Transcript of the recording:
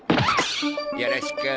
よろしく。